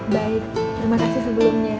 baik terima kasih sebelumnya